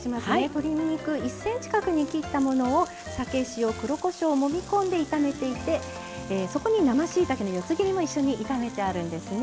鶏肉１ｃｍ角に切ったものを酒塩黒こしょうをもみこんで炒めていてそこに生しいたけの四つ切りも一緒に炒めてあるんですね。